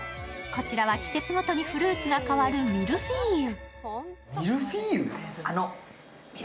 こちらは季節ごとにフルーツが変わるミルフィーユ。